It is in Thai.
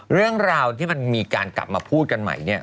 เรื่องราวที่มันมีการกลับมาพูดกันใหม่เนี่ย